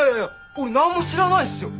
俺なんも知らないっすよ！